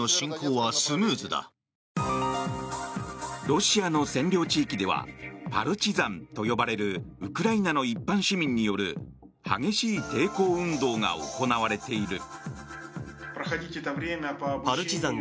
ロシアの占領地域ではパルチザンと呼ばれるウクライナの一般市民による激しい抵抗運動が行われている。